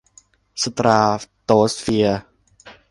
สตราโตสเฟียร์